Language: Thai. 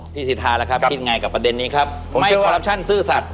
พี่ศิษฐาแล้วครับคิดไงกับประเด็นนี้ครับไม่คอรับชันซื้อสัตว์